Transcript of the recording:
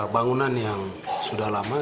bangunan yang sudah lama